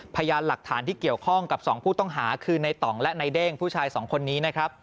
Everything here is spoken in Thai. พยานหลักฐานที่เกี่ยวข้องกับ๒ผู้ต้องหาคือในต่องและในเด้งผู้ชายสองคนนี้นะครับ